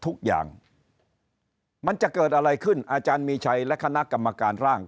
ทุกอย่างมันจะเกิดอะไรขึ้นอาจารย์มีชัยและคณะกรรมการร่าง